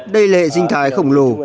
đây là hệ sinh thái khổng lồ